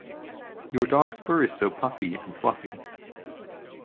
Your dog’s fur is so puffy and fluffy.